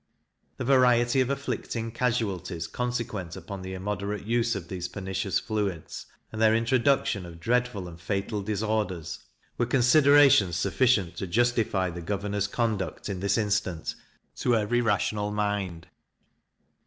The variety of afflicting casualties consequent upon the immoderate use of these pernicious fluids, and their introduction of dreadful and fatal disorders, were considerations sufficient to justify the governor's conduct in this instance, to every rational mind.